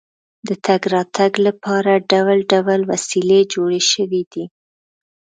د تګ راتګ لپاره ډول ډول وسیلې جوړې شوې دي.